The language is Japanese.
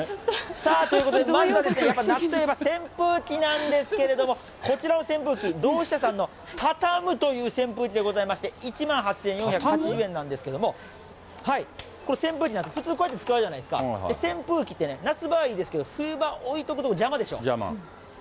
さあ、ということで、まずはやっぱり夏といえば扇風機なんですけれども、こちらの扇風機、ドウシシャさんのタタムという扇風機でして、１万８４８０円なんですけども、これ扇風機なんです、普通にこうやって使うじゃないですか、扇風機ってね、夏場はいいんですけど、冬場、置いとくと邪魔でしょ。